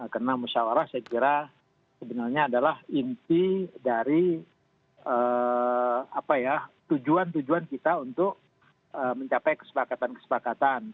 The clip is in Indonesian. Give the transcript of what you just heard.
karena musyawara saya kira sebenarnya adalah inti dari tujuan tujuan kita untuk mencapai kesepakatan kesepakatan